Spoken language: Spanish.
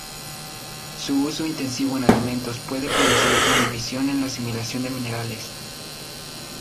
Su uso intensivo en alimentos puede producir inhibición en la asimilación de minerales.